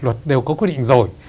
luật đều có quy định rồi